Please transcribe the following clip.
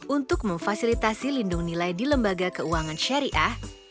untuk memfasilitasi lindung nilai di lembaga keuangan syariah